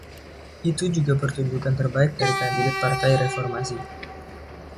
Itu juga pertunjukan terbaik dari kandidat Partai Reformasi.